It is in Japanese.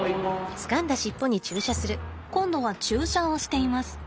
今度は注射をしています。